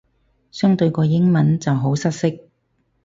相對個英文就好失色